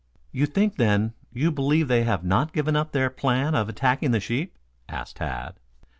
"You think then you believe they have not given up their plan of attacking the sheep?" asked Tad.